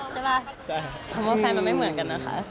ใช่ป่ะคำว่าแฟนมันไม่เหมือนกันนะคะ